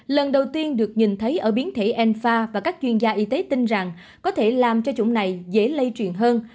lần đầu tiên được nhìn thấy ở biến thể enfa và các chuyên gia y tế tin rằng có thể làm cho chủng này dễ lây truyền hơn